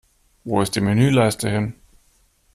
Wo ist die Menüleiste hin?